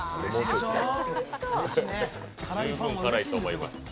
十分辛いと思います。